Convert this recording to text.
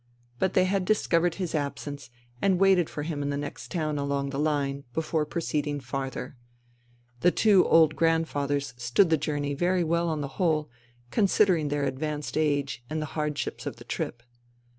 But they had discovered his absence and waited for him in the next town along the line, before proceeding farther. The two old grandfathers stood the journey very well on the whole, considering their advanced age and the hardships of the trip.